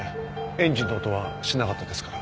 エンジンの音はしなかったですから。